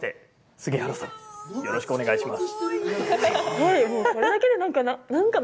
杉原さん、よろしくお願いします。